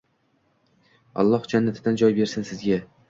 Alloh jannatidan joy bersin sizga